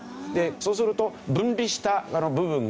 そうすると分離した部分がですね